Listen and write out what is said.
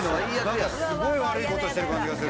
なんかすごい悪い事してる感じがする。